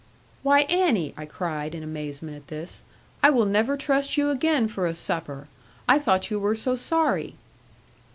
'Why, Annie,' I cried, in amazement at this, 'I will never trust you again for a supper. I thought you were so sorry.'